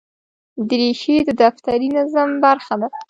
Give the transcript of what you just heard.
دریشي د دفتري نظم برخه ده.